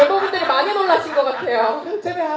ใช่มั้ยฮะตกใจมาก